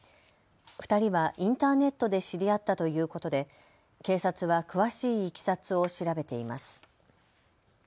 ２人はインターネットで知り合ったということで警察は詳しいいきさつを調べています。